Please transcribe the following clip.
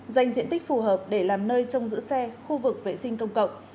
dành diện tích phù hợp để làm nơi trong giữ xe khu vực vệ sinh công cộng